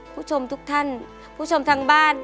ผู้ชมทุกท่านผู้ชมทางบ้าน